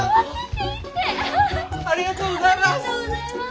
ありがとうございます！